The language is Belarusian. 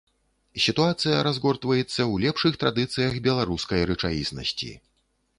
Сітуацыя разгортваецца ў лепшых традыцыях беларускай рэчаіснасці.